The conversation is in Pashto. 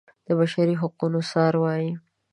د بشري حقونو څار وايي.